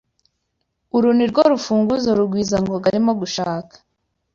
Uru nirwo rufunguzo Rugwizangoga arimo gushaka.